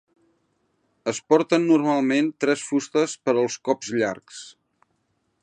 Es porten normalment tres fustes per als cops llargs.